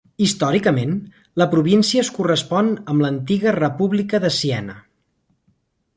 Històricament, la província es correspon amb la antiga República de Siena.